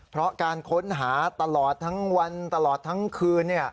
เพราะการค้นหาตลอดทั้งวันตลอดทั้งคืน